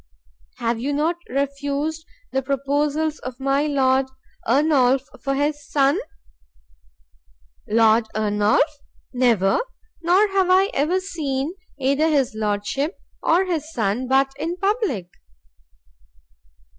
"Have you not refused the proposals of my Lord Ernolf for his son?" "Lord Ernolf? never! nor have I ever seen either his Lordship or his son but in public."